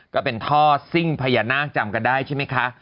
ก็เป็นท่อซิ่งพญานาคจำกันได้ใช่ไหมคะ